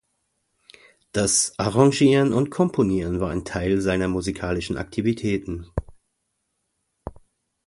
Das Arrangieren und Komponieren war ein Teil seiner musikalischen Aktivitäten.